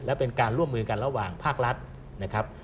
และเป็นการร่วมมือกันระหว่างภาครัฐนะครับ